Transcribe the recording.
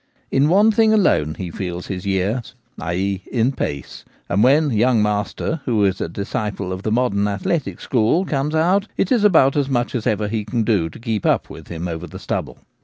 In one thing alone he feels his years — i.e. in pace ; and when ' young master/ who is a disciple of the modern athletic school, comes out, it is about as much as ever he can do to keep up with him over the stubble.